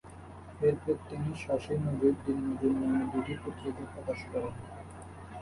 এরপর তিনি ‘চাষি-মজুর’, দিন-মজুর’ নামে দুইটি পত্রিকা প্রকাশ করেন।